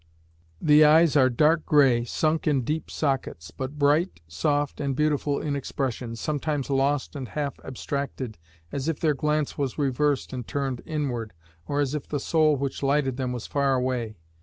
The eyes are dark gray, sunk in deep sockets, but bright, soft and beautiful in expression, sometimes lost and half abstracted, as if their glance was reversed and turned inward, or as if the soul which lighted them was far away.